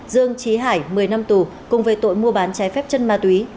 dương trí hải một mươi năm tù cùng về tội mua bán trái phép chân ma túy